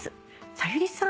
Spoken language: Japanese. さゆりさん